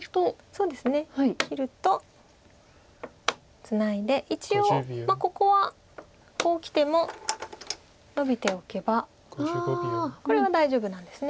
そうですね切るとツナいで一応ここはこうきてもノビておけばこれは大丈夫なんです。